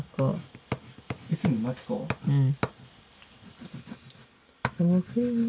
うん。